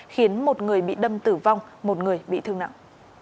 khiến một người bị đâm tử vong một người bị thương nặng